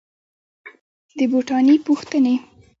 د بوټاني پوښتني